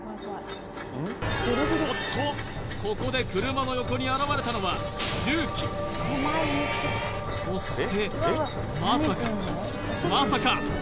おっとここで車の横に現れたのは重機そしてまさかまさか？